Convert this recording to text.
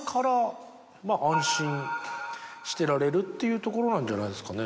してられるっていうところなんじゃないですかね。